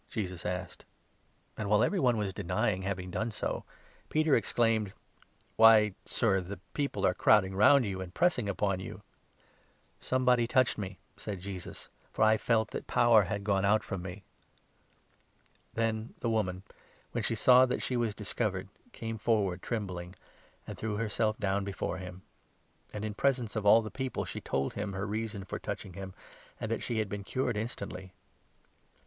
Jesus asked ; and, 45 while every one was denying having done so, Peter ex claimed :" Why, Sir, the people are crowding round you and pressing upon you !"" Somebody touched me," said Jesus ;" for I felt that power 46 had gone out from me." Then the woman, when she saw that she was discovered, came 47 forward trembling, and threw herself down before him ; and, in presence of all the people, she told him her reason for touch ing him, and that she had been cured instantly.